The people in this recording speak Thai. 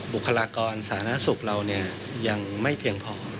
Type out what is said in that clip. บุคลากรสาธารณสุขเรายังไม่เพียงพอ